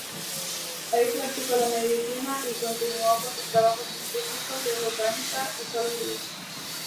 Ahí practicó la medicina y continuó con sus trabajos científicos de botánica y zoología.